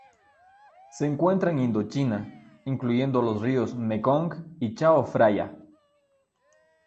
Se encuentra en Indochina, incluyendo los ríos Mekong y Chao Phraya.